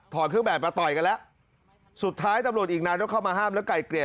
เครื่องแบบมาต่อยกันแล้วสุดท้ายตำรวจอีกนายต้องเข้ามาห้ามแล้วไก่เกลี่ย